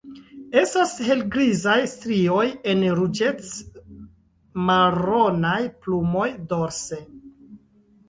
Estas helgrizaj strioj en ruĝec-maronaj plumoj dorse.